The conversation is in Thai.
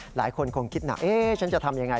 หลายคนคงคิดหนักฉันจะทำอย่างไร